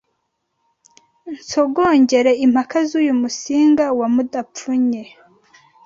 Nsongere impaka Z’uyu Musinga wa Mudapfunye